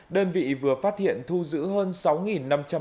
đơn vị vừa phát hiện thu giữ hơn sáu mươi pháo